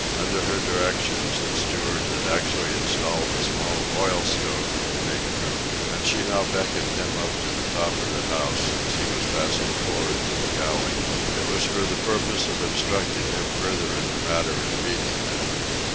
Under her directions the steward had actually installed a small oil stove in the big coop, and she now beckoned him up to the top of the house as he was passing for'ard to the galley. It was for the purpose of instructing him further in the matter of feeding them.